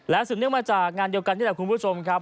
สืบเนื่องมาจากงานเดียวกันนี่แหละคุณผู้ชมครับ